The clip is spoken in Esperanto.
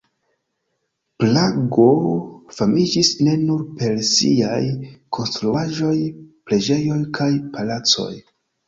Prago famiĝis ne nur per siaj konstruaĵoj, preĝejoj kaj palacoj.